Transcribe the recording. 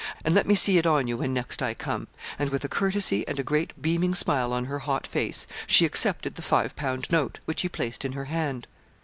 and let me see it on you when next I come,' and with a courtesy and a great beaming smile on her hot face, she accepted the five pound note, which he placed in her hand.